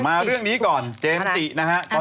มาเรื่องนี้ก่อนเจมส์จินะครับ